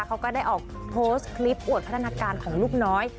เขาก็ได้ออกโพสต์คลิปอวดพัฒนาการของลูกน้อย